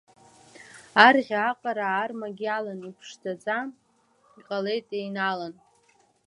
Арӷьа аҟара армагь иалан, иԥшӡаӡа иҟалеит еинаалан.